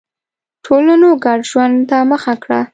ټولنو ګډ ژوند ته مخه کړه.